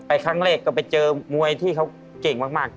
ไปท่างเล็กก็ไปเจอมวยที่เขาเก่งมาก